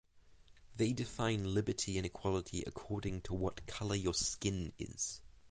They define liberty and equality according to what colour your skin is.